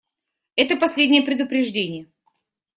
Это последнее предупреждение.